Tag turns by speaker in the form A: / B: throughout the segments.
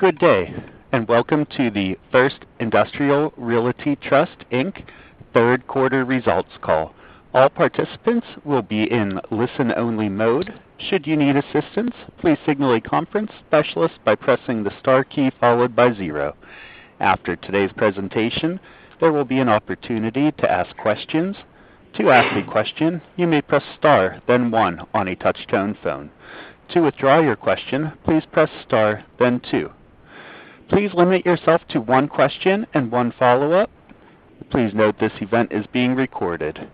A: Good day, and welcome to the First Industrial Realty Trust, Inc. third quarter results call. All participants will be in listen-only mode. Should you need assistance, please signal a conference specialist by pressing the star key followed by zero. After today's presentation, there will be an opportunity to ask questions. To ask a question, you may press star, then one on a touchtone phone. To withdraw your question, please press star then two. Please limit yourself to one question and one follow-up. Please note this event is being recorded.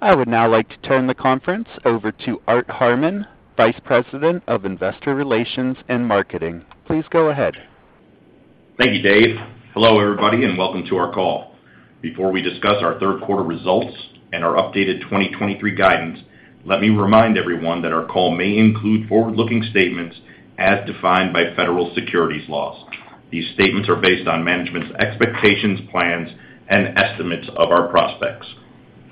A: I would now like to turn the conference over to Art Harmon, Vice President of Investor Relations and Marketing. Please go ahead.
B: Thank you, Dave. Hello, everybody, and welcome to our call. Before we discuss our third quarter results and our updated 2023 guidance, let me remind everyone that our call may include forward-looking statements as defined by federal securities laws. These statements are based on management's expectations, plans, and estimates of our prospects.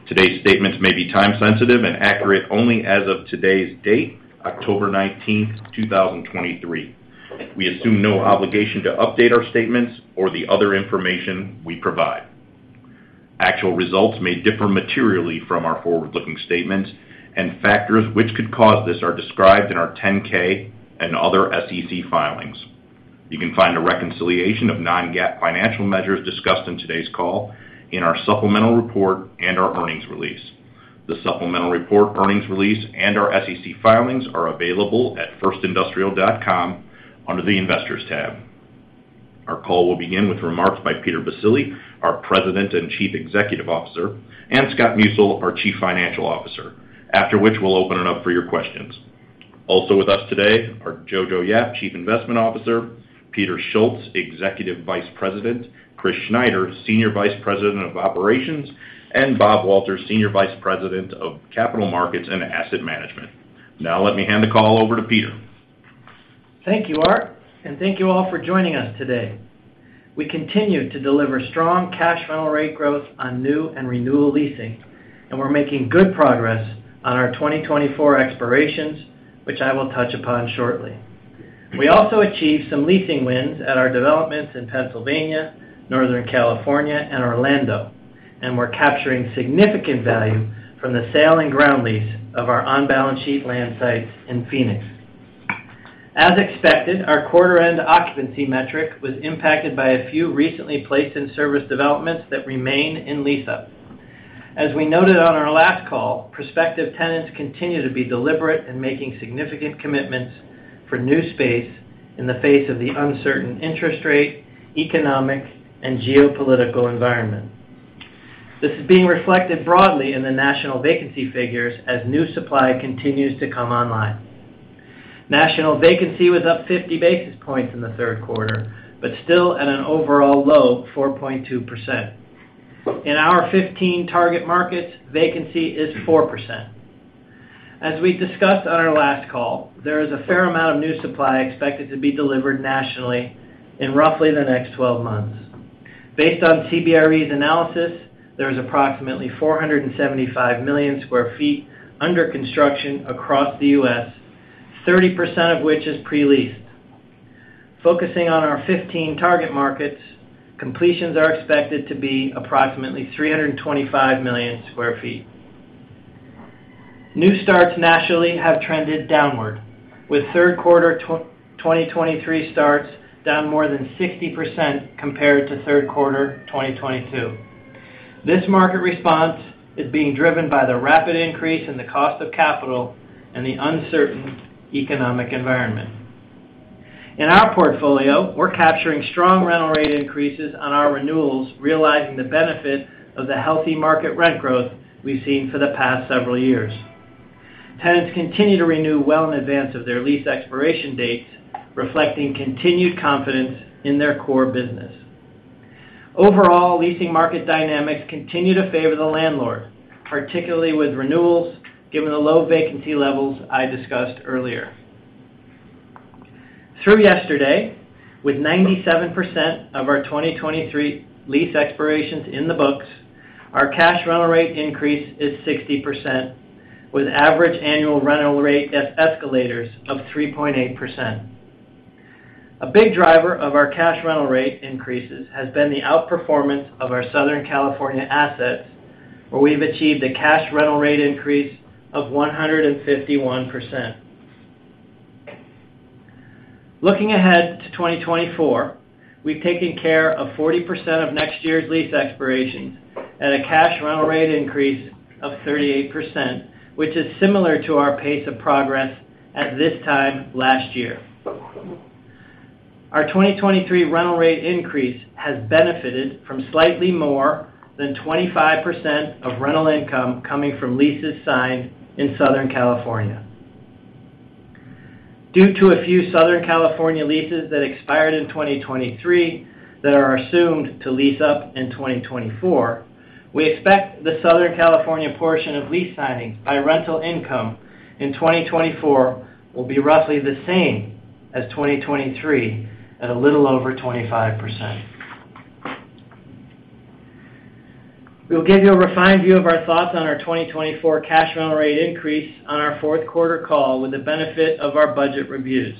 B: Today's statements may be time-sensitive and accurate only as of today's date, October 19, 2023. We assume no obligation to update our statements or the other information we provide. Actual results may differ materially from our forward-looking statements, and factors which could cause this are described in our 10-K and other SEC filings. You can find a reconciliation of non-GAAP financial measures discussed in today's call in our supplemental report and our earnings release. The supplemental report, earnings release, and our SEC filings are available at firstindustrial.com under the Investors tab. Our call will begin with remarks by Peter Baccile, our President and Chief Executive Officer, and Scott Musil, our Chief Financial Officer, after which we'll open it up for your questions. Also with us today are Jojo Yap, Chief Investment Officer, Peter Schultz, Executive Vice President, Chris Schneider, Senior Vice President of Operations, and Bob Walter, Senior Vice President of Capital Markets and Asset Management. Now let me hand the call over to Peter.
C: Thank you, Art, and thank you all for joining us today. We continue to deliver strong cash rental rate growth on new and renewal leasing, and we're making good progress on our 2024 expirations, which I will touch upon shortly. We also achieved some leasing wins at our developments in Pennsylvania, Northern California, and Orlando, and we're capturing significant value from the sale and ground lease of our on-balance sheet land sites in Phoenix. As expected, our quarter-end occupancy metric was impacted by a few recently placed in service developments that remain in lease-up. As we noted on our last call, prospective tenants continue to be deliberate in making significant commitments for new space in the face of the uncertain interest rate, economic, and geopolitical environment. This is being reflected broadly in the national vacancy figures as new supply continues to come online. National vacancy was up 50 basis points in the third quarter, but still at an overall low, 4.2%. In our 15 target markets, vacancy is 4%. As we discussed on our last call, there is a fair amount of new supply expected to be delivered nationally in roughly the next 12 months. Based on CBRE's analysis, there is approximately 475 million sq ft under construction across the U.S., 30% of which is pre-leased. Focusing on our 15 target markets, completions are expected to be approximately 325 million sq ft. New starts nationally have trended downward, with third quarter 2023 starts down more than 60% compared to third quarter 2022. This market response is being driven by the rapid increase in the cost of capital and the uncertain economic environment. In our portfolio, we're capturing strong rental rate increases on our renewals, realizing the benefit of the healthy market rent growth we've seen for the past several years. Tenants continue to renew well in advance of their lease expiration dates, reflecting continued confidence in their core business. Overall, leasing market dynamics continue to favor the landlord, particularly with renewals, given the low vacancy levels I discussed earlier. Through yesterday, with 97% of our 2023 lease expirations in the books, our cash rental rate increase is 60%, with average annual rental rate as escalators of 3.8%. A big driver of our cash rental rate increases has been the outperformance of our Southern California assets, where we've achieved a cash rental rate increase of 151%. Looking ahead to 2024, we've taken care of 40% of next year's lease expirations at a cash rental rate increase of 38%, which is similar to our pace of progress at this time last year. Our 2023 rental rate increase has benefited from slightly more than 25% of rental income coming from leases signed in Southern California. Due to a few Southern California leases that expired in 2023 that are assumed to lease up in 2024, we expect the Southern California portion of lease signings by rental income in 2024 will be roughly the same as 2023 at a little over 25%.... We'll give you a refined view of our thoughts on our 2024 cash rental rate increase on our fourth quarter call, with the benefit of our budget reviews.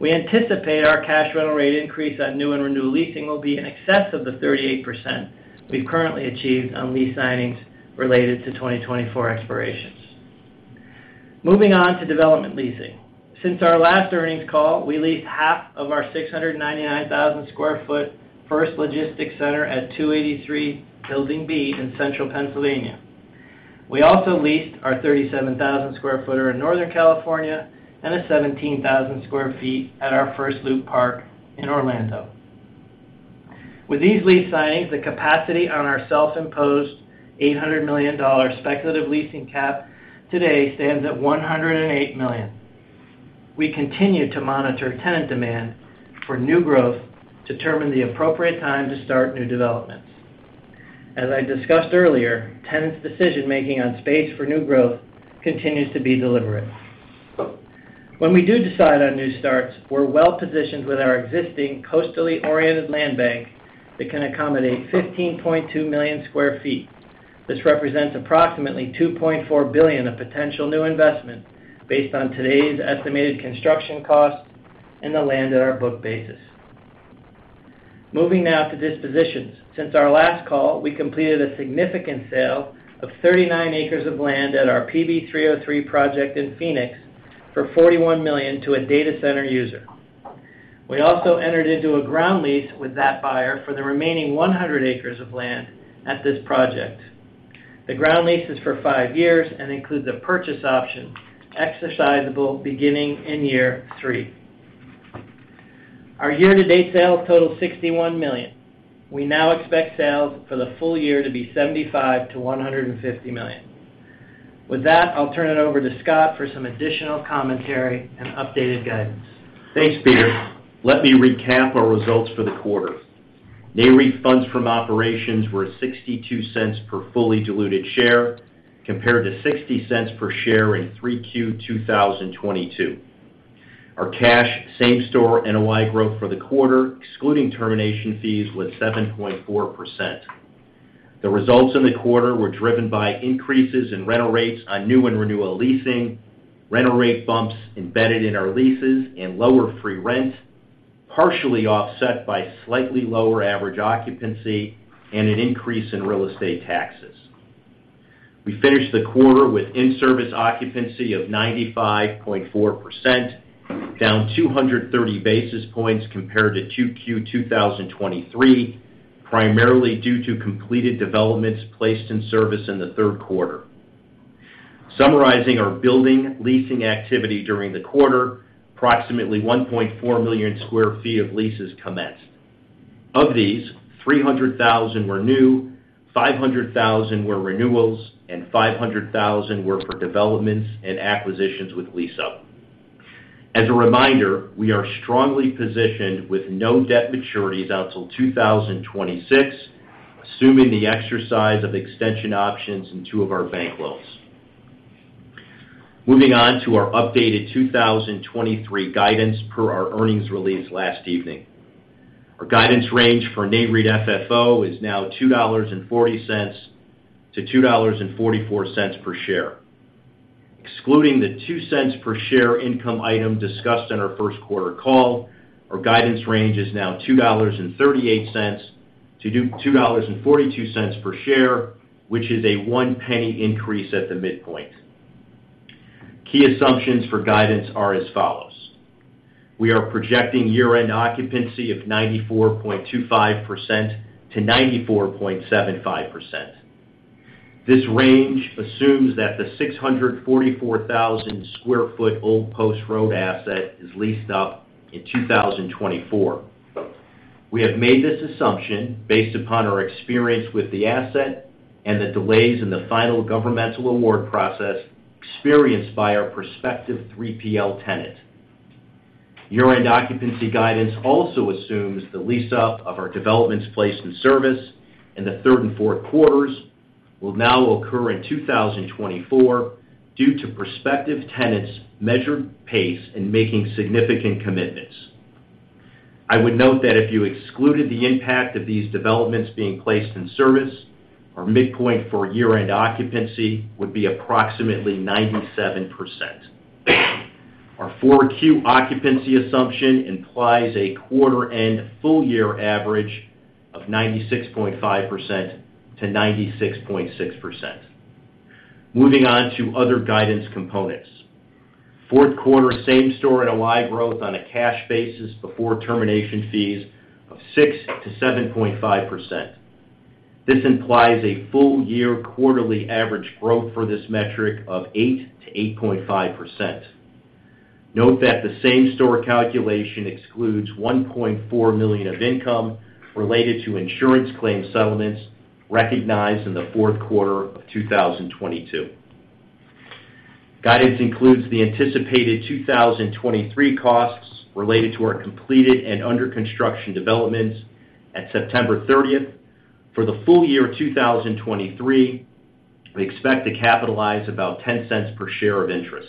C: We anticipate our cash rental rate increase on new and renewal leasing will be in excess of the 38% we've currently achieved on lease signings related to 2024 expirations. Moving on to development leasing. Since our last earnings call, we leased half of our 699,000 sq ft First Logistics Center at 283, Building B in Central Pennsylvania. We also leased our 37,000 sq ft in Northern California and a 17,000 sq ft at our First Loop Park in Orlando. With these lease signings, the capacity on our self-imposed $800 million speculative leasing cap today stands at $108 million. We continue to monitor tenant demand for new growth to determine the appropriate time to start new developments. As I discussed earlier, tenants' decision-making on space for new growth continues to be deliberate. When we do decide on new starts, we're well positioned with our existing coastally oriented land bank that can accommodate 15.2 million sq ft. This represents approximately $2.4 billion of potential new investment, based on today's estimated construction costs and the land at our book basis. Moving now to dispositions. Since our last call, we completed a significant sale of 39 acres of land at our PV303 project in Phoenix for $41 million to a data center user. We also entered into a ground lease with that buyer for the remaining 100 acres of land at this project. The ground lease is for 5 years and includes a purchase option, exercisable beginning in year 3. Our year-to-date sales total $61 million. We now expect sales for the full year to be $75 million-$150 million. With that, I'll turn it over to Scott for some additional commentary and updated guidance.
D: Thanks, Peter. Let me recap our results for the quarter. NAREIT funds from operations were $0.62 per fully diluted share, compared to $0.60 per share in 3Q 2022. Our cash same-store NOI growth for the quarter, excluding termination fees, was 7.4%. The results in the quarter were driven by increases in rental rates on new and renewal leasing, rental rate bumps embedded in our leases, and lower free rent, partially offset by slightly lower average occupancy and an increase in real estate taxes. We finished the quarter with in-service occupancy of 95.4%, down 230 basis points compared to 2Q 2023, primarily due to completed developments placed in service in the third quarter. Summarizing our building leasing activity during the quarter, approximately 1.4 million sq ft of leases commenced. Of these, 300,000 were new, 500,000 were renewals, and 500,000 were for developments and acquisitions with lease up. As a reminder, we are strongly positioned with no debt maturities until 2026, assuming the exercise of extension options in two of our bank loans. Moving on to our updated 2023 guidance per our earnings release last evening. Our guidance range for NAREIT FFO is now $2.40-$2.44 per share. Excluding the $0.02 per share income item discussed in our first quarter call, our guidance range is now $2.38-$2.42 per share, which is a $0.01 increase at the midpoint. Key assumptions for guidance are as follows: We are projecting year-end occupancy of 94.25%-94.75%. This range assumes that the 644,000 sq ft Old Post Road asset is leased up in 2024. We have made this assumption based upon our experience with the asset and the delays in the final governmental award process experienced by our prospective 3PL tenant. Year-end occupancy guidance also assumes the lease up of our developments placed in service in the third and fourth quarters will now occur in 2024 due to prospective tenants' measured pace in making significant commitments. I would note that if you excluded the impact of these developments being placed in service, our midpoint for year-end occupancy would be approximately 97%. Our 4Q occupancy assumption implies a quarter-end full year average of 96.5%-96.6%. Moving on to other guidance components. Fourth quarter same store NOI growth on a cash basis before termination fees of 6%-7.5%. This implies a full year quarterly average growth for this metric of 8%-8.5%. Note that the same store calculation excludes $1.4 million of income related to insurance claim settlements recognized in the fourth quarter of 2022. Guidance includes the anticipated 2023 costs related to our completed and under construction developments at September 30. For the full year of 2023, we expect to capitalize about $0.10 per share of interest....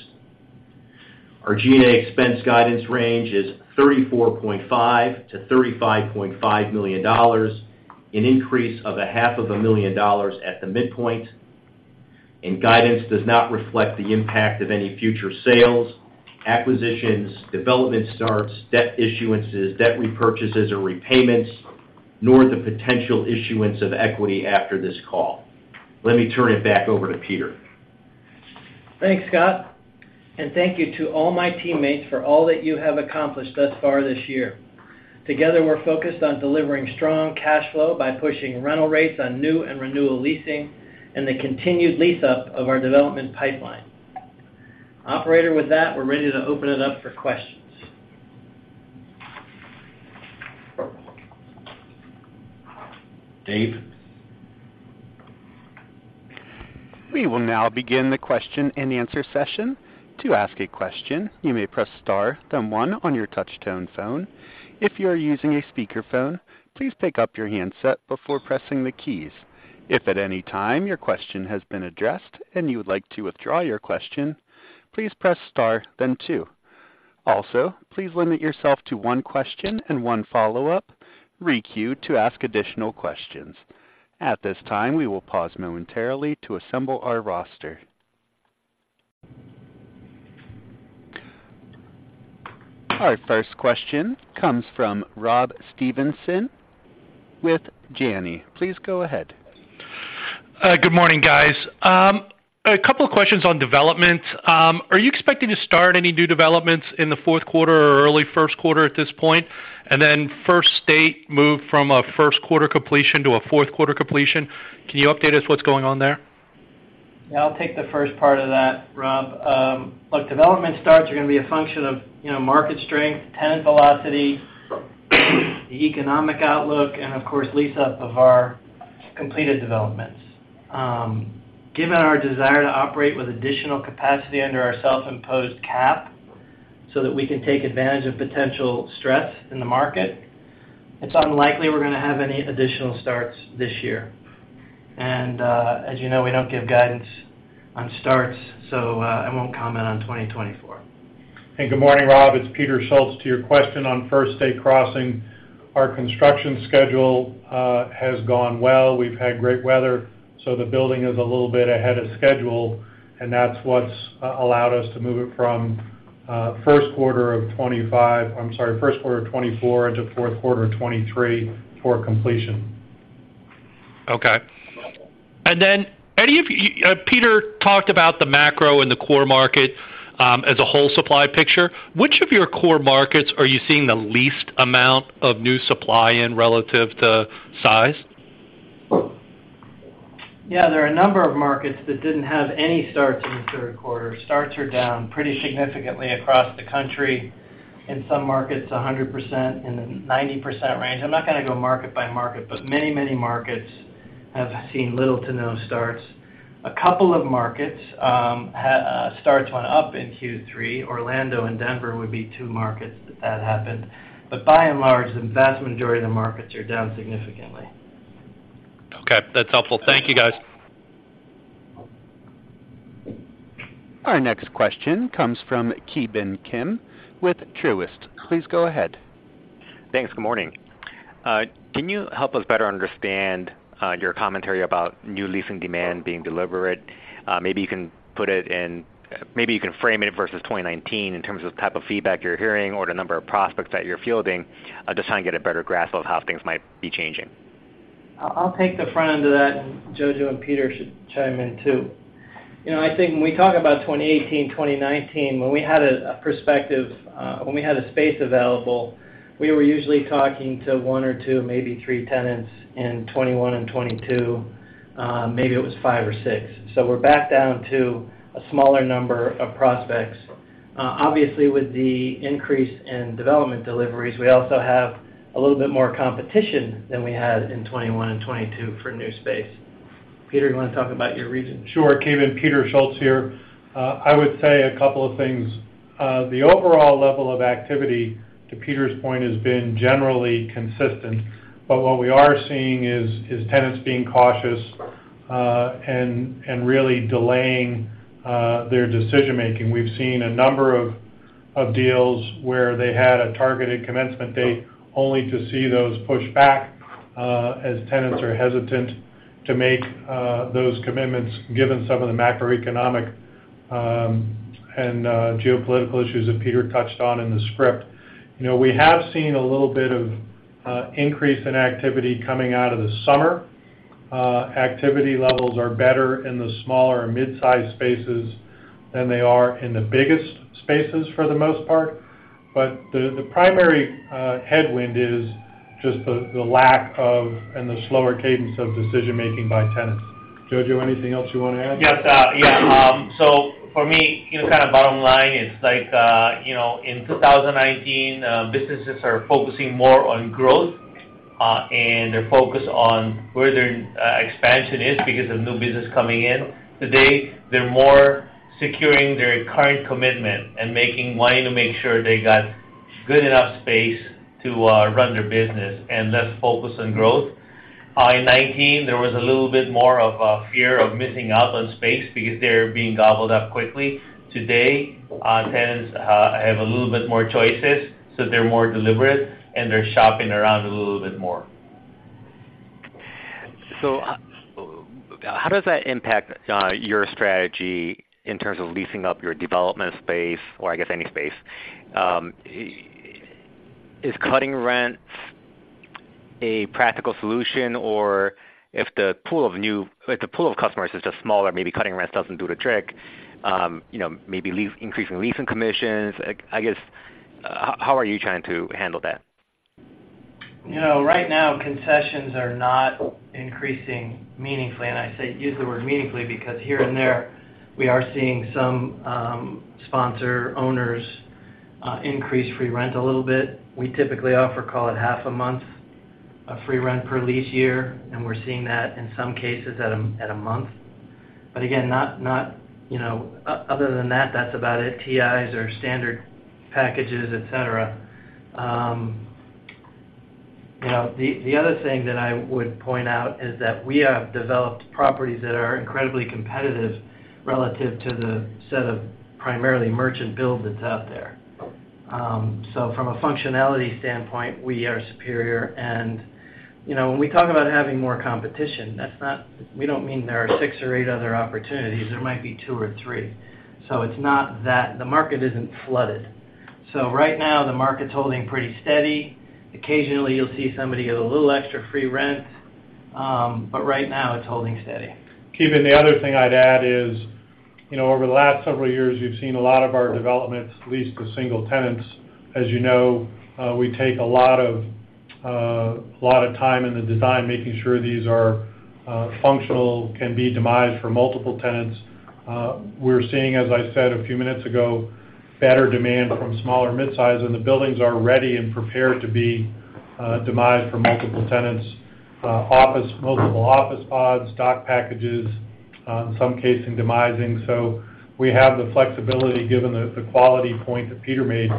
D: Our G&A expense guidance range is $34.5 million-$35.5 million, an increase of $500,000 at the midpoint, and guidance does not reflect the impact of any future sales, acquisitions, development starts, debt issuances, debt repurchases or repayments, nor the potential issuance of equity after this call. Let me turn it back over to Peter.
C: Thanks, Scott, and thank you to all my teammates for all that you have accomplished thus far this year. Together, we're focused on delivering strong cash flow by pushing rental rates on new and renewal leasing and the continued lease-up of our development pipeline. Operator, with that, we're ready to open it up for questions.
D: Dave?
A: We will now begin the question-and-answer session. To ask a question, you may press star, then one on your touchtone phone. If you are using a speakerphone, please pick up your handset before pressing the keys. If at any time your question has been addressed and you would like to withdraw your question, please press star, then two. Also, please limit yourself to one question and one follow-up. Requeue to ask additional questions. At this time, we will pause momentarily to assemble our roster. Our first question comes from Rob Stevenson with Janney. Please go ahead.
E: Good morning, guys. A couple of questions on development. Are you expecting to start any new developments in the fourth quarter or early first quarter at this point? And then First State moved from a first quarter completion to a fourth quarter completion. Can you update us what's going on there?
C: Yeah, I'll take the first part of that, Rob. Look, development starts are going to be a function of, you know, market strength, tenant velocity, the economic outlook, and of course, lease-up of our completed developments. Given our desire to operate with additional capacity under our self-imposed cap so that we can take advantage of potential stress in the market, it's unlikely we're going to have any additional starts this year. As you know, we don't give guidance on starts, so I won't comment on 2024.
F: Hey, good morning, Rob. It's Peter Schultz. To your question on First State Crossing, our construction schedule has gone well. We've had great weather, so the building is a little bit ahead of schedule, and that's what's allowed us to move it from first quarter of 2025—I'm sorry, first quarter of 2024 into fourth quarter of 2023 for completion.
E: Okay. And then, maybe, if you—Peter talked about the macro and the core market as a whole supply picture. Which of your core markets are you seeing the least amount of new supply in relative to size?
C: Yeah, there are a number of markets that didn't have any starts in the third quarter. Starts are down pretty significantly across the country. In some markets, 100%, in the 90% range. I'm not going to go market by market, but many, many markets have seen little to no starts. A couple of markets had starts went up in Q3. Orlando and Denver would be two markets that that happened, but by and large, the vast majority of the markets are down significantly.
E: Okay, that's helpful. Thank you, guys.
A: Our next question comes from Ki Bin Kim with Truist. Please go ahead.
G: Thanks. Good morning. Can you help us better understand your commentary about new leasing demand being deliberate? Maybe you can frame it versus 2019 in terms of the type of feedback you're hearing or the number of prospects that you're fielding, just trying to get a better grasp of how things might be changing.
C: I'll take the front end of that, and Jojo and Peter should chime in, too. You know, I think when we talk about 2018, 2019, when we had a prospective, when we had a space available, we were usually talking to one or two, maybe three tenants. In 21 and 22, maybe it was five or six. So we're back down to a smaller number of prospects. Obviously, with the increase in development deliveries, we also have a little bit more competition than we had in 21 and 22 for new space. Peter, you want to talk about your region?
F: Sure, Ki Bin. Peter Schultz here. I would say a couple of things. The overall level of activity, to Peter's point, has been generally consistent, but what we are seeing is tenants being cautious, and really delaying their decision-making. We've seen a number of deals where they had a targeted commencement date, only to see those pushed back, as tenants are hesitant to make those commitments, given some of the macroeconomic and geopolitical issues that Peter touched on in the script. You know, we have seen a little bit of increase in activity coming out of the summer. Activity levels are better in the smaller mid-sized spaces than they are in the biggest spaces, for the most part. But the primary headwind is just the lack of, and the slower cadence of decision-making by tenants. Jojo, anything else you want to add?
D: Yes. Yeah. So for me, you know, kind of bottom line, it's like, you know, in 2019, businesses are focusing more on growth, and they're focused on where their expansion is because of new business coming in. Today, they're more securing their current commitment and making wanting to make sure they got good enough space to run their business and less focused on growth....
H: in 2019, there was a little bit more of a fear of missing out on space because they were being gobbled up quickly. Today, tenants have a little bit more choices, so they're more deliberate, and they're shopping around a little bit more.
G: So, how does that impact your strategy in terms of leasing up your development space, or I guess, any space? Is cutting rents a practical solution, or if the pool of customers is just smaller, maybe cutting rents doesn't do the trick, you know, maybe increasing leasing commissions. I guess, how are you trying to handle that?
C: You know, right now, concessions are not increasing meaningfully, and I say, use the word meaningfully because here and there, we are seeing some sponsor owners increase free rent a little bit. We typically offer, call it, half a month of free rent per lease year, and we're seeing that in some cases at a month. But again, not you know, other than that, that's about it. TIs or standard packages, et cetera. You know, the other thing that I would point out is that we have developed properties that are incredibly competitive relative to the set of primarily merchant build that's out there. So from a functionality standpoint, we are superior. You know, when we talk about having more competition, that's not, we don't mean there are six or eight other opportunities. There might be two or three. So it's not that the market isn't flooded. So right now, the market's holding pretty steady. Occasionally, you'll see somebody get a little extra free rent, but right now, it's holding steady.
F: Kevin, the other thing I'd add is, you know, over the last several years, you've seen a lot of our developments leased to single tenants. As you know, we take a lot of time in the design, making sure these are functional, can be demised for multiple tenants. We're seeing, as I said a few minutes ago, better demand from smaller midsize, and the buildings are ready and prepared to be demised for multiple tenants, office- multiple office pods, dock packages, in some case, in demising. So we have the flexibility, given the quality point that Peter made,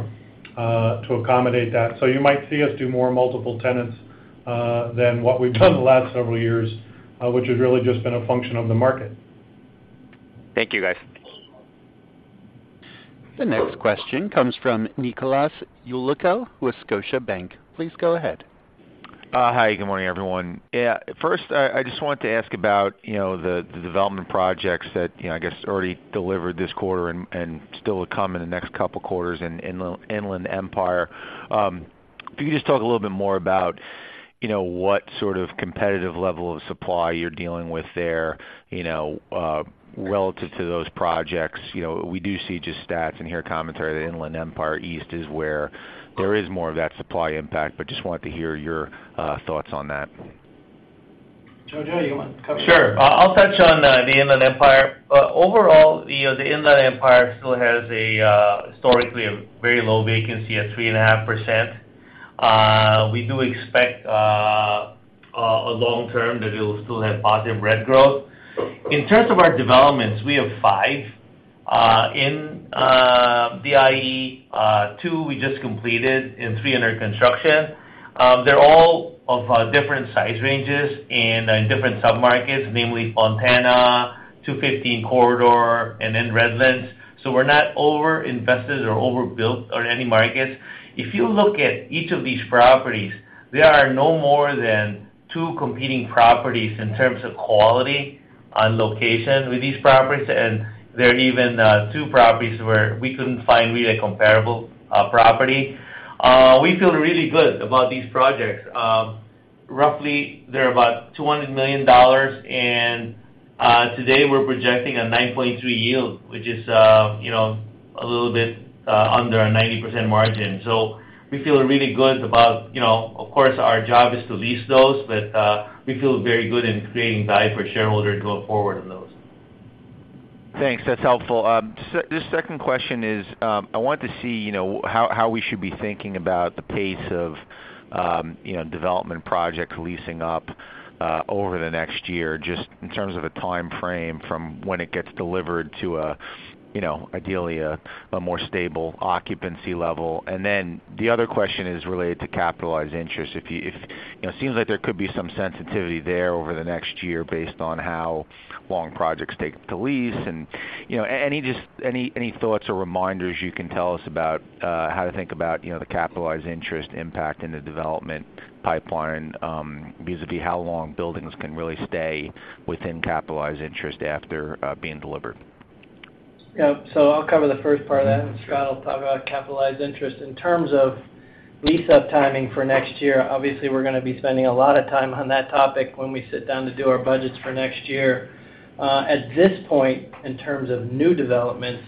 F: to accommodate that. So you might see us do more multiple tenants than what we've done in the last several years, which has really just been a function of the market.
G: Thank you, guys.
A: The next question comes from Nicholas Yulico with Scotiabank. Please go ahead.
I: Hi, good morning, everyone. Yeah, first, I just wanted to ask about, you know, the development projects that, you know, I guess, already delivered this quarter and still will come in the next couple of quarters in the Inland Empire. If you could just talk a little bit more about, you know, what sort of competitive level of supply you're dealing with there, you know, relative to those projects. You know, we do see just stats and hear commentary, the Inland Empire East is where there is more of that supply impact, but just wanted to hear your thoughts on that.
C: Jojo, you want to cover?
H: Sure. I'll touch on the Inland Empire. Overall, the Inland Empire still has historically a very low vacancy of 3.5%. We do expect long term that it'll still have positive rent growth. In terms of our developments, we have five in the IE, two we just completed and three under construction. They're all of different size ranges and in different submarkets, namely Fontana, 215 Corridor, and then Redlands. So we're not over-invested or overbuilt on any markets. If you look at each of these properties, there are no more than two competing properties in terms of quality on location with these properties, and there are even two properties where we couldn't find really comparable property. We feel really good about these projects. Roughly, they're about $200 million, and today, we're projecting a 9.3 yield, which is, you know, a little bit under our 90% margin. So we feel really good about... You know, of course, our job is to lease those, but we feel very good in creating value for shareholders going forward on those.
I: Thanks. That's helpful. This second question is, I want to see, you know, how we should be thinking about the pace of, you know, development projects leasing up, over the next year, just in terms of the time frame from when it gets delivered to a, you know, ideally, a more stable occupancy level. And then the other question is related to capitalized interest. If you, you know, it seems like there could be some sensitivity there over the next year based on how long projects take to lease. And, you know, any, just any thoughts or reminders you can tell us about, how to think about, you know, the capitalized interest impact in the development pipeline, vis-a-vis how long buildings can really stay within capitalized interest after, being delivered?
C: Yeah. So I'll cover the first part of that, and Scott will talk about capitalized interest. In terms of lease-up timing for next year, obviously, we're gonna be spending a lot of time on that topic when we sit down to do our budgets for next year. At this point, in terms of new developments,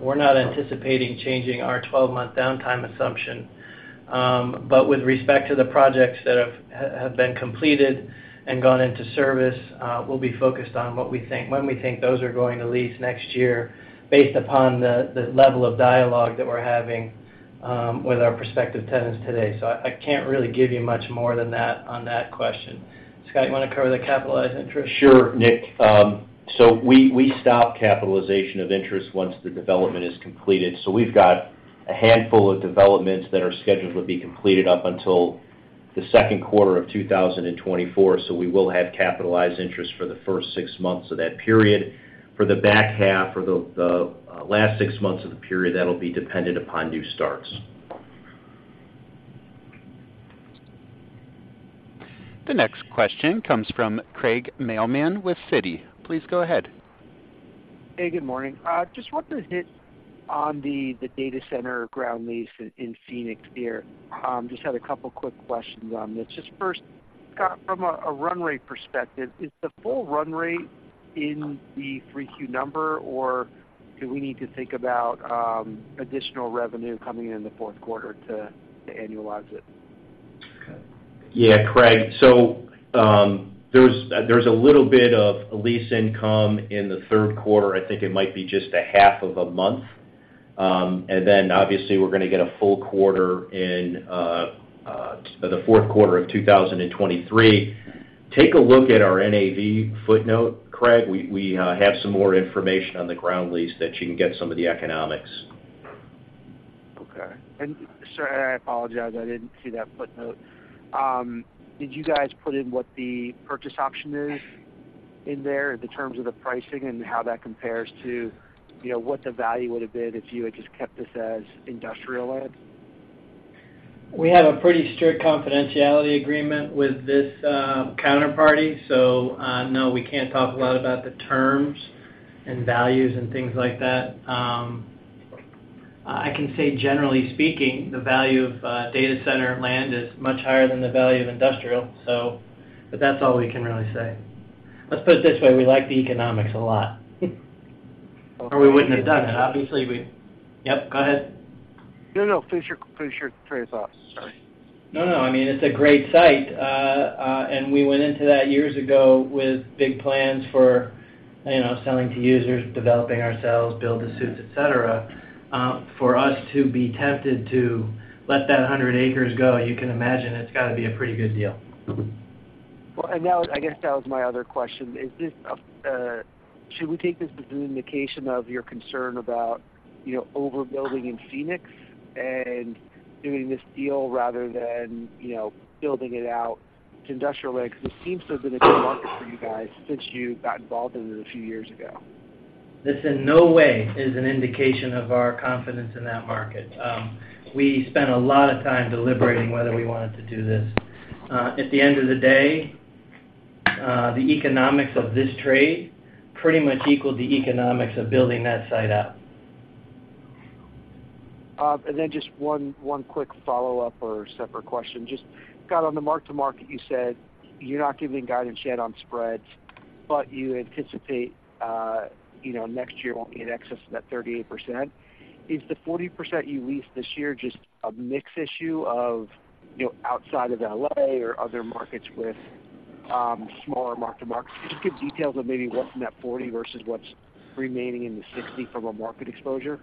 C: we're not anticipating changing our 12-month downtime assumption. But with respect to the projects that have been completed and gone into service, we'll be focused on what we think, when we think those are going to lease next year, based upon the level of dialogue that we're having with our prospective tenants today. So I can't really give you much more than that on that question. Scott, you wanna cover the capitalized interest?
F: Sure, Nick. So we stop capitalization of interest once the development is completed. So we've got-...
D: a handful of developments that are scheduled to be completed up until the second quarter of 2024, so we will have capitalized interest for the first six months of that period. For the back half or the last six months of the period, that'll be dependent upon new starts.
A: The next question comes from Craig Mailman with Citi. Please go ahead.
J: Hey, good morning. Just want to hit on the data center ground lease in Phoenix here. Just had a couple quick questions on this. Just first, Scott, from a run rate perspective, is the full run rate in the 3Q number, or do we need to think about additional revenue coming in in the fourth quarter to annualize it?
D: Yeah, Craig. So, there's, there's a little bit of a lease income in the third quarter. I think it might be just a half of a month. And then, obviously, we're going to get a full quarter in the fourth quarter of 2023. Take a look at our NAV footnote, Craig. We have some more information on the ground lease that you can get some of the economics.
J: Okay. And, sir, I apologize, I didn't see that footnote. Did you guys put in what the purchase option is in there in terms of the pricing and how that compares to, you know, what the value would have been if you had just kept this as industrial land?
C: We have a pretty strict confidentiality agreement with this, counterparty. So, no, we can't talk a lot about the terms and values and things like that. I can say, generally speaking, the value of data center land is much higher than the value of industrial, but that's all we can really say. Let's put it this way, we like the economics a lot. Or we wouldn't have done it. Obviously, we... Yep, go ahead.
J: No, no, please, finish your thought. Sorry.
C: No, no. I mean, it's a great site, and we went into that years ago with big plans for, you know, selling to users, developing ourselves, build-to-suits, et cetera. For us to be tempted to let that 100 acres go, you can imagine it's got to be a pretty good deal.
J: Well, and now, I guess that was my other question. Is this... Should we take this as an indication of your concern about, you know, overbuilding in Phoenix and doing this deal rather than, you know, building it out to industrial land? Because it seems to have been a good market for you guys since you got involved in it a few years ago.
C: This in no way is an indication of our confidence in that market. We spent a lot of time deliberating whether we wanted to do this. At the end of the day, the economics of this trade pretty much equaled the economics of building that site out.
J: And then just one quick follow-up or a separate question. Just, Scott, on the mark-to-market, you said you're not giving guidance yet on spreads, but you anticipate, you know, next year won't be in excess of that 38%. Is the 40% you leased this year just a mix issue of, you know, outside of L.A. or other markets with smaller mark-to-market? Can you give details of maybe what's in that 40% versus what's remaining in the 60 from a market exposure?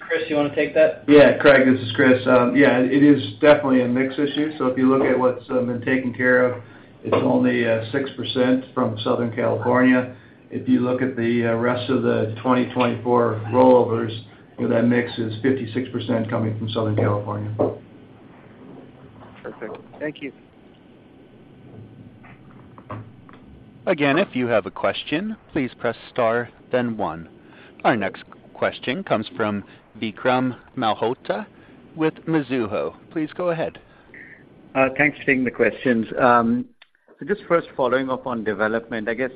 C: Chris, you want to take that?
K: Yeah, Craig, this is Chris. Yeah, it is definitely a mix issue. So if you look at what's been taken care of, it's only 6% from Southern California. If you look at the rest of the 2024 rollovers, that mix is 56% coming from Southern California.
J: Perfect. Thank you.
A: Again, if you have a question, please press star, then one. Our next question comes from Vikram Malhotra with Mizuho. Please go ahead.
L: Thanks for taking the questions. So just first following up on development, I guess,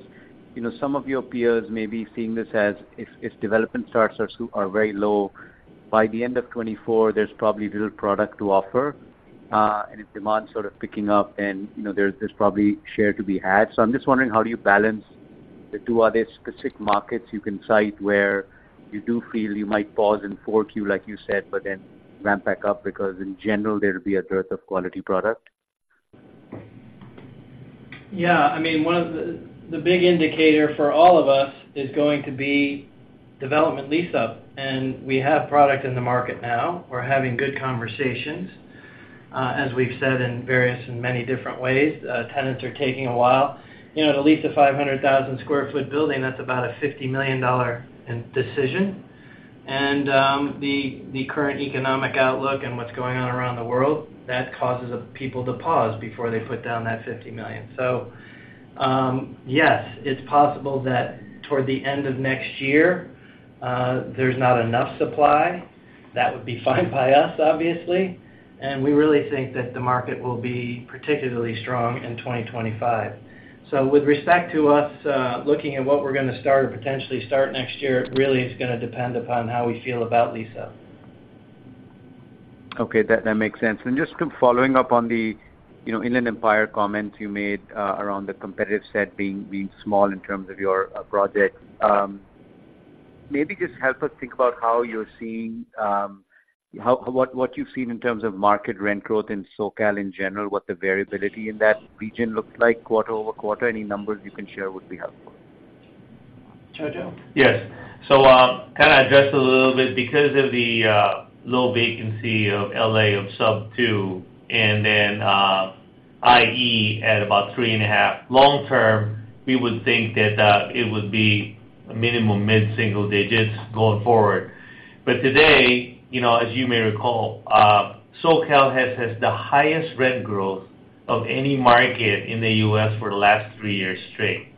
L: you know, some of your peers may be seeing this as, if development starts are very low, by the end of 2024, there's probably little product to offer, and if demand sort of picking up and, you know, there's probably share to be had. So I'm just wondering, how do you balance the two? Are there specific markets you can cite where you do feel you might pause in 4Q, like you said, but then ramp back up, because in general, there'll be a dearth of quality product?
C: Yeah, I mean, one of the big indicator for all of us is going to be development lease-up, and we have product in the market now. We're having good conversations. As we've said in various and many different ways, tenants are taking a while. You know, to lease a 500,000 sq ft building, that's about a $50 million decision. And, the current economic outlook and what's going on around the world, that causes people to pause before they put down that $50 million. So, yes, it's possible that toward the end of next year, there's not enough supply. That would be fine by us, obviously, and we really think that the market will be particularly strong in 2025. So with respect to us, looking at what we're going to start or potentially start next year, really, it's going to depend upon how we feel about lease-up.
L: Okay, that makes sense. And just kind of following up on the, you know, Inland Empire comment you made, around the competitive set being small in terms of your project. Maybe just help us think about how you're seeing what you've seen in terms of market rent growth in SoCal in general, what the variability in that region looks like quarter-over-quarter. Any numbers you can share would be helpful.
C: Jojo?
K: Yes. So, kind of address it a little bit. Because of the low vacancy of L.A. of sub two, and then,...
H: i.e., at about 3.5. Long term, we would think that it would be a minimum mid-single digits going forward. But today, you know, as you may recall, SoCal has the highest rent growth of any market in the U.S. for the last three years straight.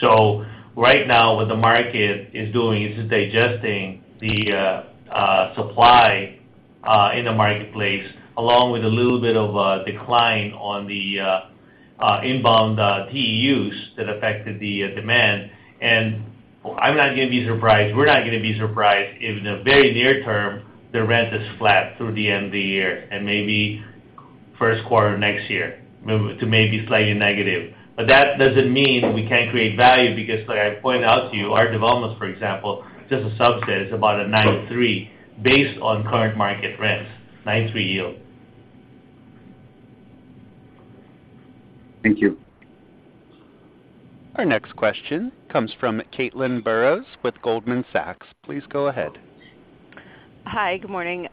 H: So right now, what the market is doing is it's digesting the supply in the marketplace, along with a little bit of a decline on the inbound TEUs that affected the demand. And I'm not gonna be surprised, we're not gonna be surprised if in the very near term, the rent is flat through the end of the year and maybe first quarter next year, moving to maybe slightly negative. But that doesn't mean we can't create value, because like I pointed out to you, our developments, for example, just a subset, is about a 9.3, based on current market rents, 9.3 yield.
M: Thank you.
A: Our next question comes from Caitlin Burrows with Goldman Sachs. Please go ahead.
N: Hi, good morning.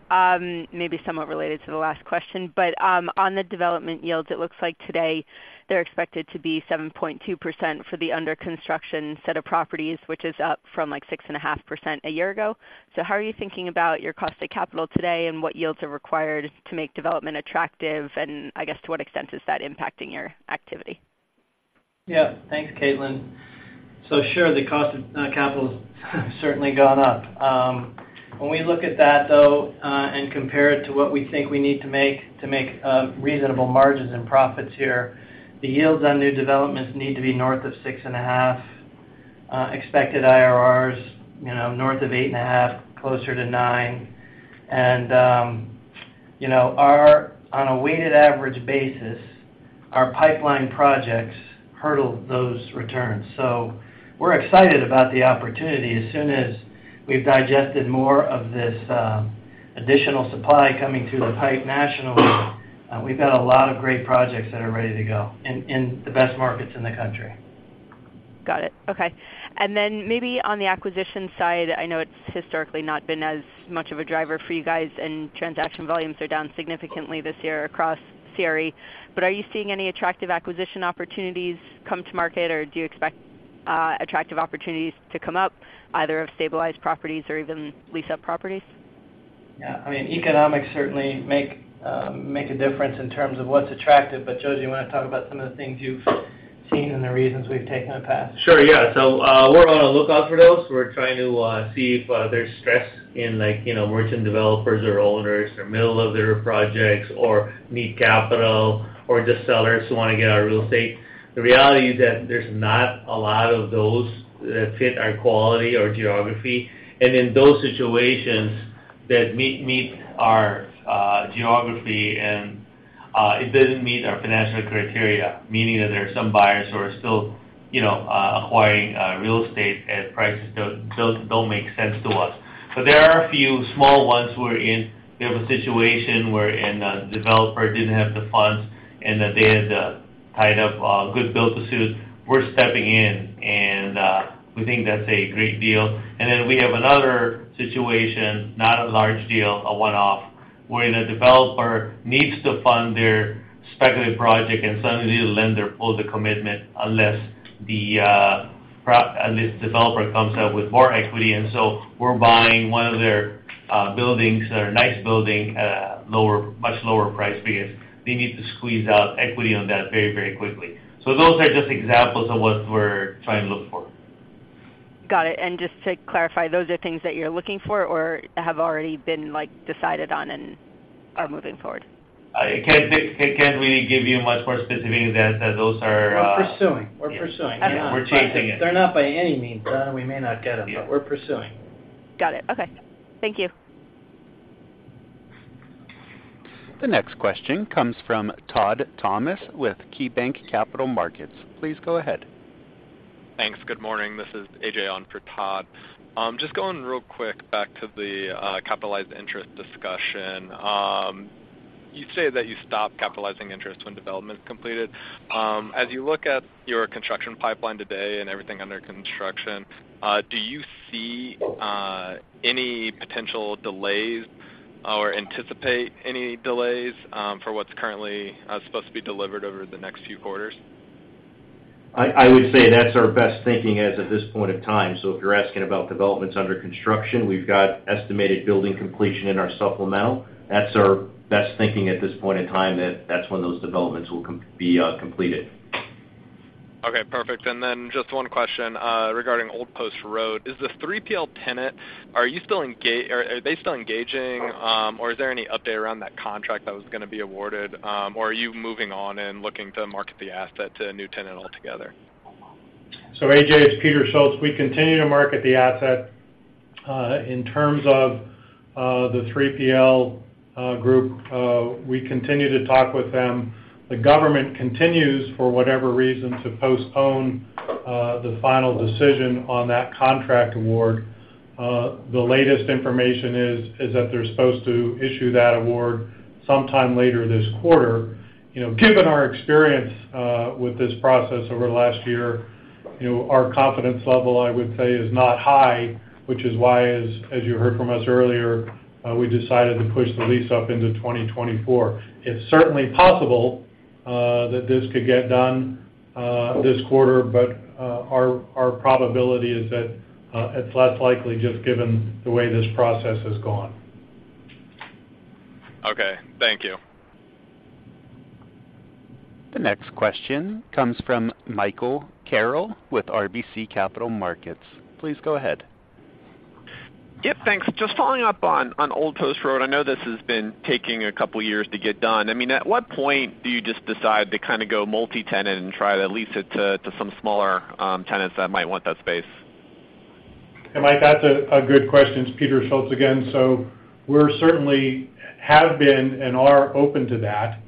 N: Maybe somewhat related to the last question, but, on the development yields, it looks like today they're expected to be 7.2% for the under construction set of properties, which is up from, like, 6.5% a year ago. So how are you thinking about your cost of capital today, and what yields are required to make development attractive? And I guess, to what extent is that impacting your activity?
C: Yeah. Thanks, Caitlin. So sure, the cost of capital has certainly gone up. When we look at that, though, and compare it to what we think we need to make reasonable margins and profits here, the yields on new developments need to be north of 6.5 expected IRRs, you know, north of 8.5, closer to 9. And you know, on a weighted average basis, our pipeline projects hurdle those returns. So we're excited about the opportunity. As soon as we've digested more of this additional supply coming to the pipe nationally, we've got a lot of great projects that are ready to go in the best markets in the country.
N: Got it. Okay. And then maybe on the acquisition side, I know it's historically not been as much of a driver for you guys, and transaction volumes are down significantly this year across CRE, but are you seeing any attractive acquisition opportunities come to market? Or do you expect, attractive opportunities to come up, either of stabilized properties or even lease-up properties?
C: Yeah, I mean, economics certainly make, make a difference in terms of what's attractive. But, Jojo, you want to talk about some of the things you've seen and the reasons we've taken the path?
H: Sure, yeah. So, we're on the lookout for those. We're trying to see if there's stress in, like, you know, merchant developers or owners or middle of their projects, or need capital, or just sellers who want to get out of real estate. The reality is that there's not a lot of those that fit our quality or geography. And in those situations that meet our geography and it doesn't meet our financial criteria, meaning that there are some buyers who are still, you know, acquiring real estate at prices don't make sense to us. But there are a few small ones where in we have a situation wherein a developer didn't have the funds and that they had tied up a good build to suit. We're stepping in, and we think that's a great deal. Then we have another situation, not a large deal, a one-off, where the developer needs to fund their speculative project, and suddenly, the lender pulls the commitment unless the developer comes up with more equity. So we're buying one of their buildings, a nice building, at a lower, much lower price, because they need to squeeze out equity on that very, very quickly. So those are just examples of what we're trying to look for.
N: Got it. Just to clarify, those are things that you're looking for or have already been, like, decided on and are moving forward?
H: I can't really give you much more specificity than that. Those are,
C: We're pursuing. We're pursuing.
N: I know.
H: We're chasing it.
C: They're not by any means done. We may not get them-
H: Yeah.
C: but we're pursuing.
N: Got it. Okay. Thank you.
A: The next question comes from Todd Thomas with KeyBanc Capital Markets. Please go ahead.
M: Thanks. Good morning. This is AJ on for Todd. Just going real quick back to the capitalized interest discussion. You say that you stopped capitalizing interest when development is completed. As you look at your construction pipeline today and everything under construction, do you see any potential delays or anticipate any delays for what's currently supposed to be delivered over the next few quarters?
D: I would say that's our best thinking as of this point in time. So if you're asking about developments under construction, we've got estimated building completion in our supplemental. That's our best thinking at this point in time, that that's when those developments will be completed.
O: Okay, perfect. And then just one question regarding Old Post Road. Are they still engaging, or is there any update around that contract that was gonna be awarded, or are you moving on and looking to market the asset to a new tenant altogether?
C: So AJ, it's Peter Schultz. We continue to market the asset. In terms of the 3PL group, we continue to talk with them. The government continues, for whatever reason, to postpone the final decision on that contract award. The latest information is that they're supposed to issue that award sometime later this quarter. You know, given our experience with this process over the last year, you know, our confidence level, I would say, is not high, which is why, as you heard from us earlier, we decided to push the lease up into 2024. It's certainly possible- ...
F: that this could get done, this quarter. But, our probability is that, it's less likely, just given the way this process has gone.
O: Okay. Thank you.
A: The next question comes from Michael Carroll with RBC Capital Markets. Please go ahead.
P: Yep, thanks. Just following up on Old Post Road. I know this has been taking a couple of years to get done. I mean, at what point do you just decide to kind of go multi-tenant and try to lease it to some smaller tenants that might want that space?
F: Hey, Mike, that's a good question. It's Peter Schultz again. So we're certainly have been and are open to that.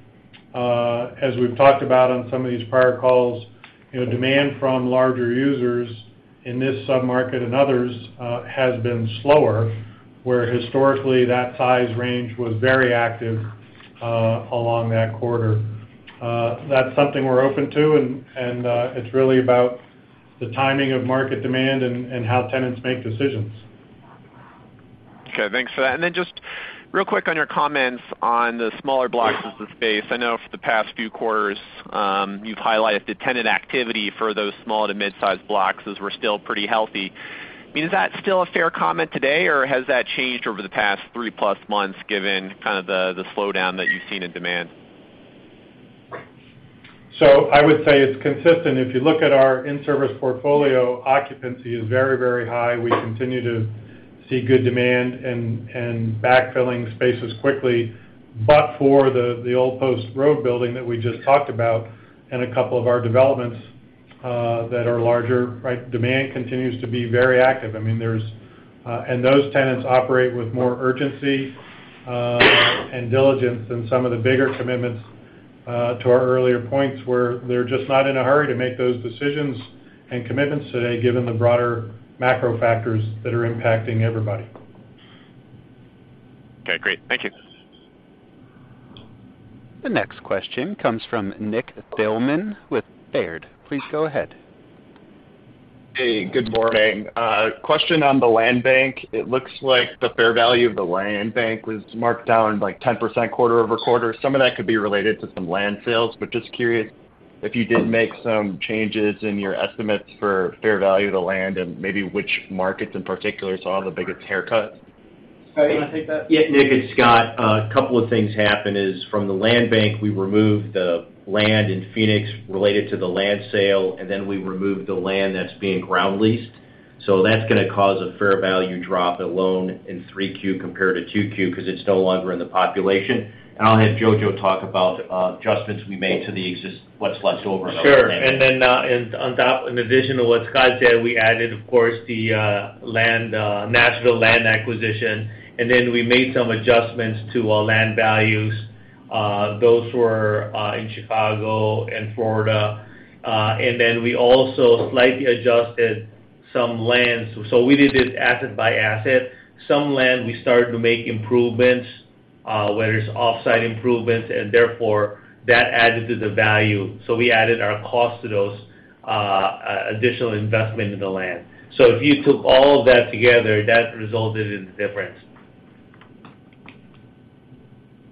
F: As we've talked about on some of these prior calls, you know, demand from larger users in this sub-market and others has been slower, where historically, that size range was very active along that corridor. That's something we're open to, and, and, it's really about the timing of market demand and, and how tenants make decisions.
P: Okay. Thanks for that. And then just real quick on your comments on the smaller blocks of the space. I know for the past few quarters, you've highlighted the tenant activity for those small to mid-sized blocks, as we're still pretty healthy. I mean, is that still a fair comment today, or has that changed over the past three-plus months, given kind of the, the slowdown that you've seen in demand?
F: So I would say it's consistent. If you look at our in-service portfolio, occupancy is very, very high. We continue to see good demand and backfilling spaces quickly. But for the Old Post Road building that we just talked about and a couple of our developments that are larger, right? Demand continues to be very active. I mean, there's... And those tenants operate with more urgency and diligence than some of the bigger commitments to our earlier points, where they're just not in a hurry to make those decisions and commitments today, given the broader macro factors that are impacting everybody.
P: Okay, great. Thank you.
A: The next question comes from Nick Thillman with Baird. Please go ahead.
Q: Hey, good morning. Question on the land bank. It looks like the fair value of the land bank was marked down, like, 10% quarter-over-quarter. Some of that could be related to some land sales. But just curious if you did make some changes in your estimates for fair value of the land and maybe which markets in particular saw the biggest haircut?
F: Scott, you want to take that?
D: Yeah, Nick, it's Scott. A couple of things happen is, from the land bank, we removed the land in Phoenix related to the land sale, and then we removed the land that's being ground leased. So that's going to cause a fair value drop alone in 3Q compared to 2Q, because it's no longer in the population. And I'll have Jojo talk about adjustments we made to what's left over.
H: Sure. And then, and on top, in addition to what Scott said, we added, of course, the, land, Nashville land acquisition, and then we made some adjustments to our land values. Those were, in Chicago and Florida. And then we also slightly adjusted some land. So we did it asset by asset. Some land, we started to make improvements, whether it's offsite improvements, and therefore, that added to the value. So we added our cost to those, additional investment in the land. So if you took all of that together, that resulted in the difference.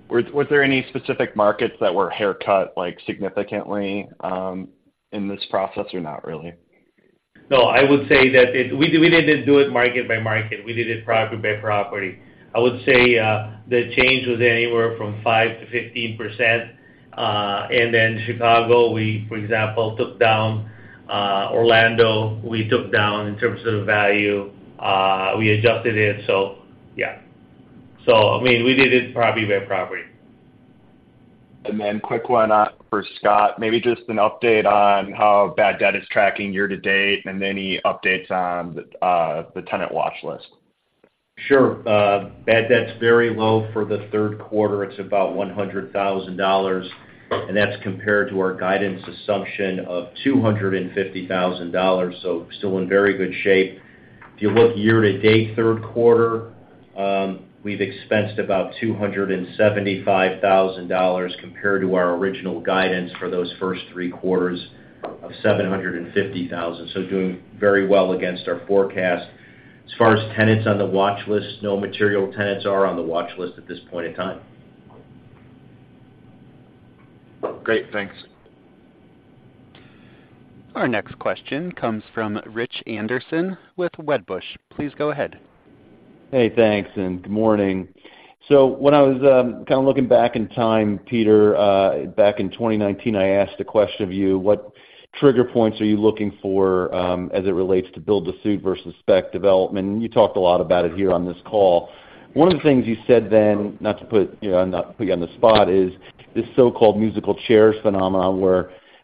Q: Was there any specific markets that were haircut, like, significantly, in this process or not really?
H: No, I would say that we didn't do it market by market. We did it property by property. I would say the change was anywhere from 5%-15%. And then Chicago, for example, we took down. Orlando, we took down in terms of the value, we adjusted it. So yeah. So I mean, we did it property by property.
Q: And then quick one for Scott. Maybe just an update on how bad debt is tracking year to date, and any updates on the tenant watch list.
D: Sure. Bad debt's very low for the third quarter. It's about $100,000, and that's compared to our guidance assumption of $250,000, so still in very good shape. If you look year to date, third quarter, we've expensed about $275,000 compared to our original guidance for those first three quarters of $750,000. So doing very well against our forecast. As far as tenants on the watch list, no material tenants are on the watch list at this point in time.
Q: Great. Thanks.
A: Our next question comes from Rich Anderson with Wedbush. Please go ahead.
R: Hey, thanks, and good morning. So when I was kind of looking back in time, Peter, back in 2019, I asked a question of you, what trigger points are you looking for, as it relates to build-to-suit versus spec development? And you talked a lot about it here on this call. One of the things you said then, not to put you, you know, on the spot, is this so-called musical chairs phenomenon,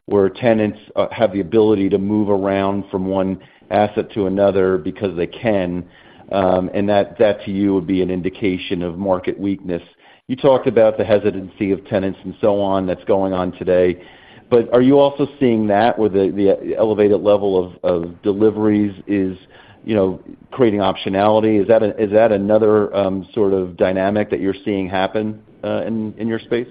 R: where tenants have the ability to move around from one asset to another because they can, and that to you would be an indication of market weakness. You talked about the hesitancy of tenants and so on, that's going on today. But are you also seeing that with the elevated level of deliveries is, you know, creating optionality? Is that another sort of dynamic that you're seeing happen in your space?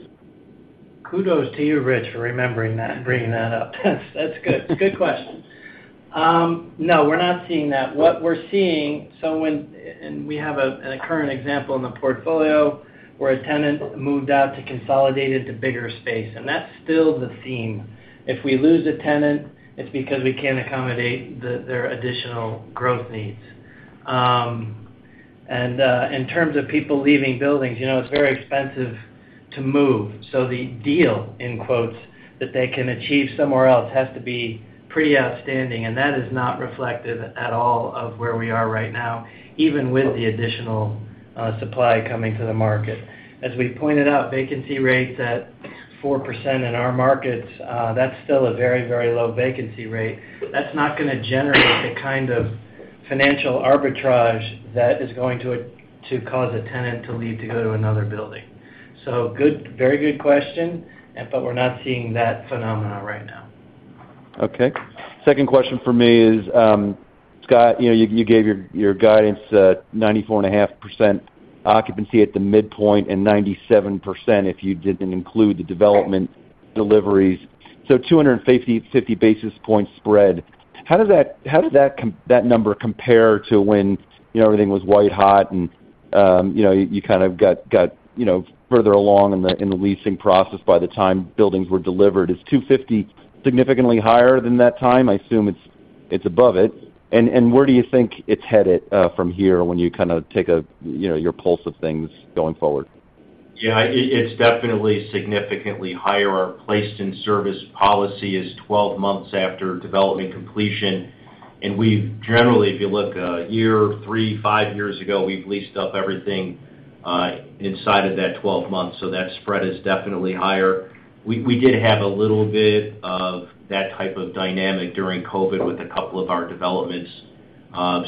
F: Kudos to you, Rich, for remembering that and bringing that up. That's good. Good question....
C: No, we're not seeing that. What we're seeing, so when— And we have a current example in the portfolio, where a tenant moved out to consolidate into bigger space, and that's still the theme. If we lose a tenant, it's because we can't accommodate their additional growth needs. And, in terms of people leaving buildings, you know, it's very expensive to move. So the deal, in quotes, that they can achieve somewhere else, has to be pretty outstanding, and that is not reflective at all of where we are right now, even with the additional supply coming to the market. As we pointed out, vacancy rates at 4% in our markets, that's still a very, very low vacancy rate. That's not gonna generate the kind of financial arbitrage that is going to cause a tenant to leave to go to another building. So, good, very good question, but we're not seeing that phenomena right now.
R: Okay. Second question for me is, Scott, you know, you gave your guidance at 94.5% occupancy at the midpoint, and 97% if you didn't include the development deliveries. So 250 basis point spread. How does that number compare to when, you know, everything was white hot and, you know, you kind of got further along in the leasing process by the time buildings were delivered? Is 250 significantly higher than that time? I assume it's above it. And where do you think it's headed from here when you kind of take a, you know, your pulse of things going forward?
D: Yeah, it, it's definitely significantly higher. Our placed-in-service policy is 12 months after development completion, and we've generally, if you look a year, three, five years ago, we've leased up everything inside of that 12 months, so that spread is definitely higher. We, we did have a little bit of that type of dynamic during COVID with a couple of our developments.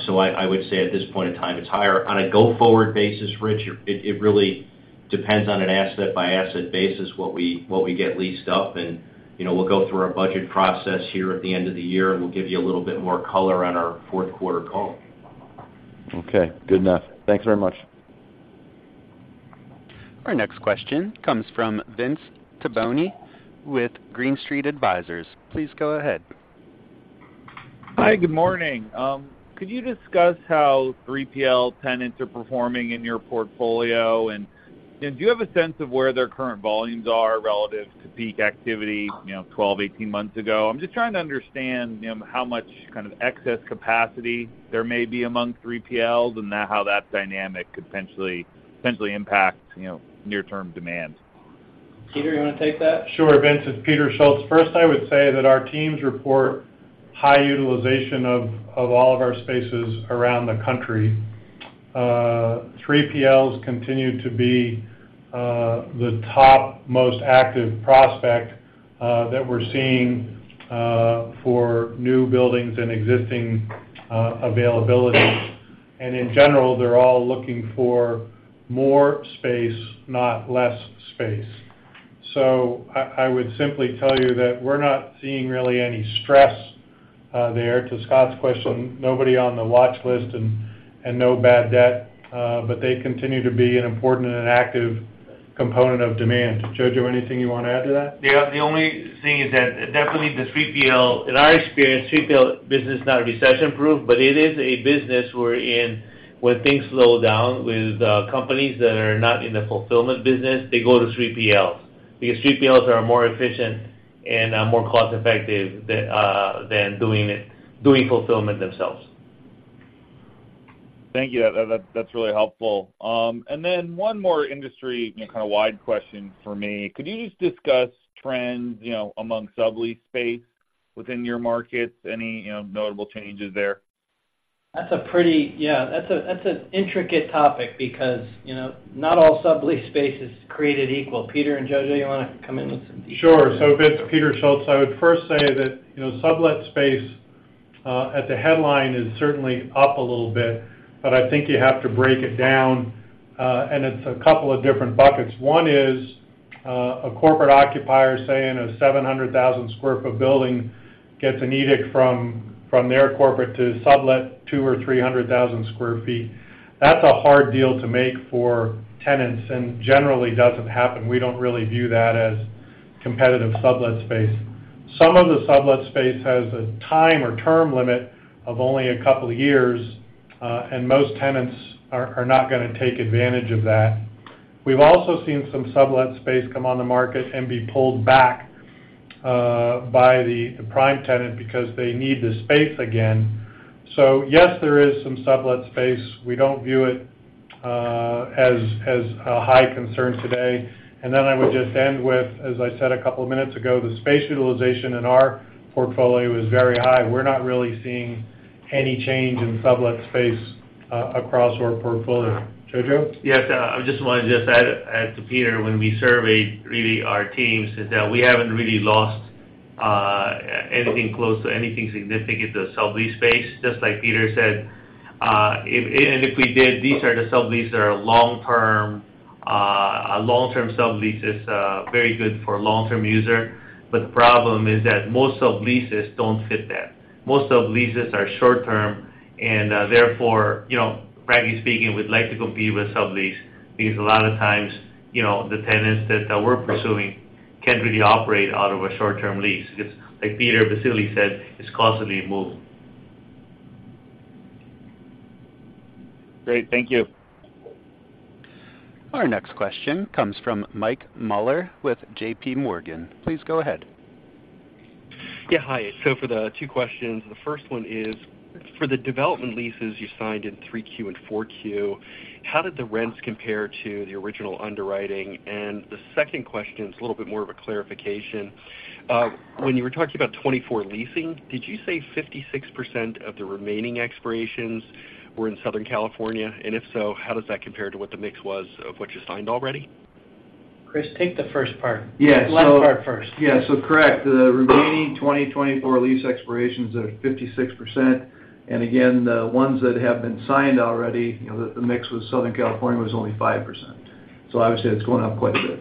D: So I would say at this point in time, it's higher. On a go-forward basis, Rich, it, it really depends on an asset-by-asset basis, what we, what we get leased up. And, you know, we'll go through our budget process here at the end of the year, and we'll give you a little bit more color on our fourth quarter call.
R: Okay, good enough. Thanks very much.
A: Our next question comes from Vince Tibone with Green Street Advisors. Please go ahead.
S: Hi, good morning. Could you discuss how 3PL tenants are performing in your portfolio? And do you have a sense of where their current volumes are relative to peak activity, you know, 12, 18 months ago? I'm just trying to understand, you know, how much kind of excess capacity there may be among 3PLs, and how that dynamic could potentially impact, you know, near-term demand.
C: Peter, you want to take that?
F: Sure, Vince, it's Peter Schultz. First, I would say that our teams report high utilization of all of our spaces around the country. 3PLs continue to be the top most active prospect that we're seeing for new buildings and existing availability. And in general, they're all looking for more space, not less space. So I, I would simply tell you that we're not seeing really any stress there. To Scott's question, nobody on the watchlist and no bad debt, but they continue to be an important and active component of demand. Jojo, anything you want to add to that? Yeah, the only thing is that, definitely the 3PL, in our experience, 3PL business is not recession-proof, but it is a business wherein when things slow down with companies that are not in the fulfillment business, they go to 3PLs. Because 3PLs are more efficient and more cost-effective than doing fulfillment themselves.
S: Thank you. That, that's really helpful. And then one more industry, you know, kind of wide question for me. Could you just discuss trends, you know, among sublease space within your markets? Any, you know, notable changes there?
C: Yeah, that's an intricate topic because, you know, not all sublease space is created equal. Peter and Jojo, you wanna come in with some details?
F: Sure. So Vince, Peter Schultz. I would first say that, you know, sublet space at the headline is certainly up a little bit, but I think you have to break it down. And it's a couple of different buckets. One is a corporate occupier, say, in a 700,000 sq ft building, gets an edict from their corporate to sublet 200,000 or 300,000 sq ft. That's a hard deal to make for tenants and generally doesn't happen. We don't really view that as competitive sublet space. Some of the sublet space has a time or term limit of only a couple of years, and most tenants are not gonna take advantage of that. We've also seen some sublet space come on the market and be pulled back by the prime tenant because they need the space again. So yes, there is some sublet space. We don't view it as a high concern today. And then I would just end with, as I said a couple of minutes ago, the space utilization in our portfolio is very high. We're not really seeing any change in sublet space across our portfolio. Jojo?
H: Yes, I just want to add to Peter, when we surveyed really our teams, is that we haven't really lost anything close to anything significant to a sublease space, just like Peter said. If we did, these are the sublease that are long term. A long-term sublease is very good for a long-term user, but the problem is that most subleases don't fit that. Most subleases are short term, and therefore, you know, frankly speaking, we'd like to compete with sublease, because a lot of times, you know, the tenants that we're pursuing-... can't really operate out of a short-term lease. It's like Peter Baccile said, it's constantly moving.
S: Great. Thank you.
A: Our next question comes from Mike Mueller with JP Morgan. Please go ahead.
T: Yeah, hi. So for the two questions, the first one is: For the development leases you signed in 3Q and 4Q, how did the rents compare to the original underwriting? And the second question is a little bit more of a clarification. When you were talking about 2024 leasing, did you say 56% of the remaining expirations were in Southern California? And if so, how does that compare to what the mix was of what you signed already?
C: Chris, take the first part.
K: Yes.
C: Left part first.
K: Yeah. So correct, the remaining 2024 lease expirations are 56%. And again, the ones that have been signed already, you know, the mix with Southern California was only 5%. So obviously, it's going up quite a bit.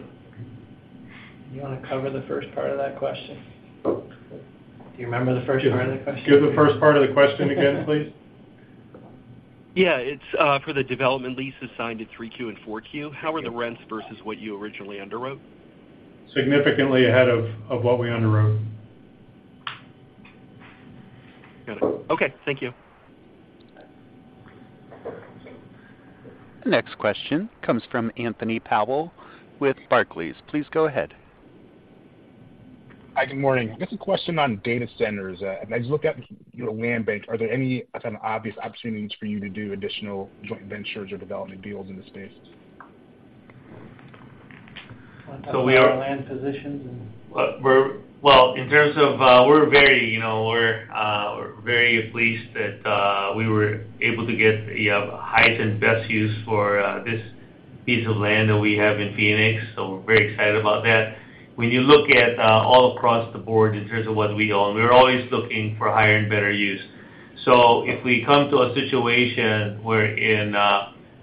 C: You want to cover the first part of that question? Do you remember the first part of the question?
K: Give the first part of the question again, please.
T: Yeah, it's for the development leases signed in 3Q and 4Q, how are the rents versus what you originally underwrote?
K: Significantly ahead of what we underwrote.
T: Got it. Okay. Thank you.
A: The next question comes from Anthony Powell with Barclays. Please go ahead.
U: Hi, good morning. I've got some question on data centers. As I look at your land bank, are there any kind of obvious opportunities for you to do additional joint ventures or development deals in this space?
C: We are...
H: Our land positions and...
C: Well, in terms of, we're very, you know, we're very pleased that we were able to get the highest and best use for this piece of land that we have in Phoenix, so we're very excited about that. When you look at all across the board in terms of what we own, we're always looking for higher and better use. So if we come to a situation wherein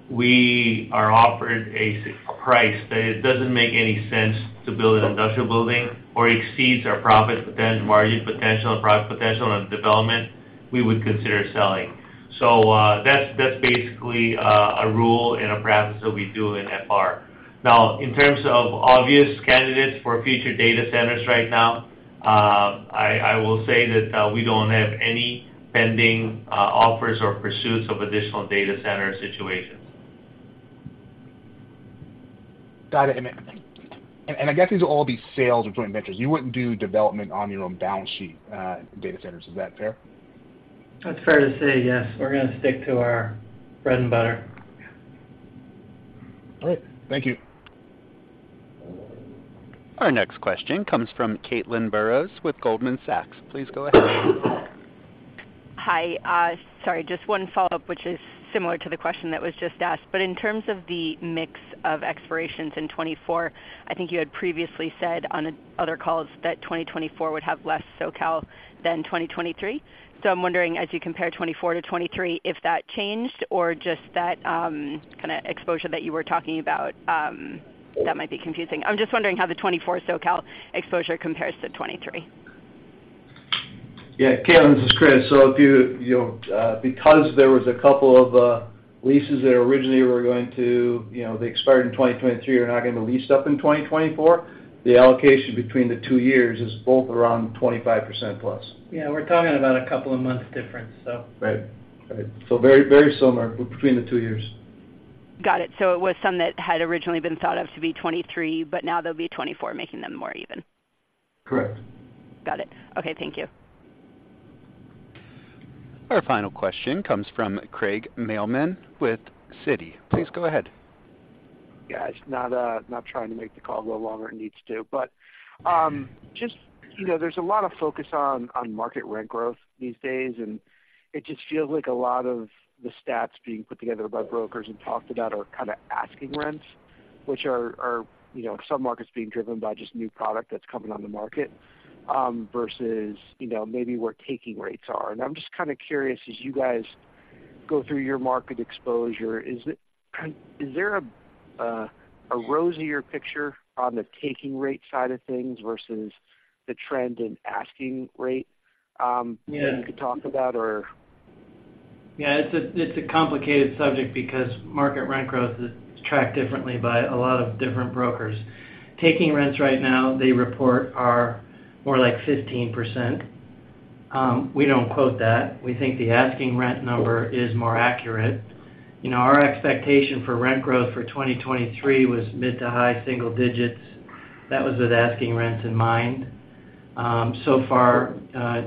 C: we are offered a price, that it doesn't make any sense to build an industrial building or exceeds our profit potential, margin potential, and profit potential on development, we would consider selling. So, that's, that's basically a rule and a practice that we do in FR. Now, in terms of obvious candidates for future data centers right now, I will say that, we don't have any pending, offers or pursuits of additional data center situations.
U: Got it. And I guess these are all these sales or joint ventures. You wouldn't do development on your own balance sheet, data centers. Is that fair?
C: That's fair to say, yes. We're going to stick to our bread and butter.
U: All right. Thank you.
A: Our next question comes from Caitlin Burrows with Goldman Sachs. Please go ahead.
N: Hi, sorry, just one follow-up, which is similar to the question that was just asked. But in terms of the mix of expirations in 2024, I think you had previously said on other calls that 2024 would have less SoCal than 2023. So I'm wondering, as you compare 2024 to 2023, if that changed or just that, kind of exposure that you were talking about, that might be confusing. I'm just wondering how the 2024 SoCal exposure compares to 2023.
K: Yeah, Caitlin, this is Chris. So if you, you know, because there was a couple of leases that originally were going to, you know, they expired in 2023, are not going to be leased up in 2024, the allocation between the two years is both around 25%+.
C: Yeah, we're talking about a couple of months difference, so.
K: Right. Right. So very, very similar between the two years.
N: Got it. So it was some that had originally been thought of to be 2023, but now they'll be 2024, making them more even?
K: Correct.
N: Got it. Okay, thank you.
A: Our final question comes from Craig Mailman with Citi. Please go ahead.
J: Yeah, it's not trying to make the call go longer than it needs to, but just, you know, there's a lot of focus on market rent growth these days, and it just feels like a lot of the stats being put together by brokers and talked about are kind of asking rents, which are you know, in some markets, being driven by just new product that's coming on the market versus, you know, maybe where taking rates are. And I'm just kind of curious, as you guys go through your market exposure, is there a rosier picture on the taking rate side of things versus the trend in asking rate.
C: Yeah.
J: You could talk about or?
C: Yeah, it's a, it's a complicated subject because market rent growth is tracked differently by a lot of different brokers. Taking rents right now, they report, are more like 15%. We don't quote that. We think the asking rent number is more accurate. You know, our expectation for rent growth for 2023 was mid to high single digits. That was with asking rent in mind. So far,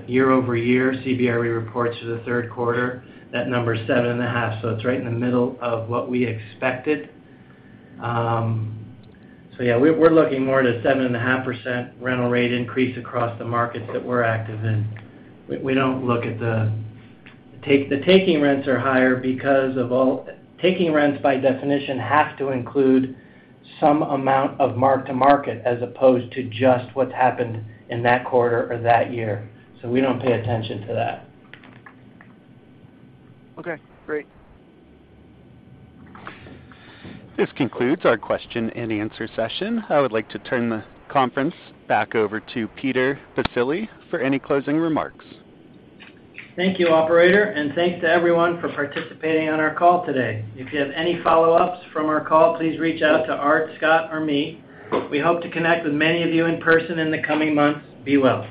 C: year-over-year, CBRE reports for the third quarter, that number is 7.5, so it's right in the middle of what we expected. So yeah, we're, we're looking more to 7.5% rental rate increase across the markets that we're active in. We, we don't look at the take-- The taking rents are higher because of all... Taking rents, by definition, have to include some amount of mark-to-market, as opposed to just what's happened in that quarter or that year. So we don't pay attention to that.
J: Okay, great.
A: This concludes our question and answer session. I would like to turn the conference back over to Peter Baccile for any closing remarks.
C: Thank you, operator, and thanks to everyone for participating on our call today. If you have any follow-ups from our call, please reach out to Art, Scott, or me. We hope to connect with many of you in person in the coming months. Be well.